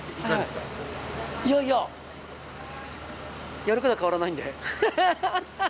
いやいや、やることは変わらないので。